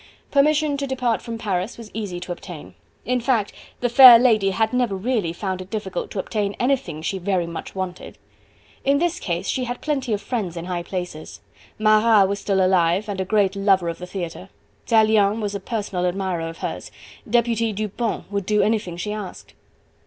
Permission to depart from Paris was easy to obtain. In fact the fair lady had never really found it difficult to obtain anything she very much wanted. In this case she had plenty of friends in high places. Marat was still alive and a great lover of the theatre. Tallien was a personal admirer of hers, Deputy Dupont would do anything she asked.